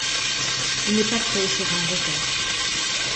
Il n'est pas prêt et sera en retard.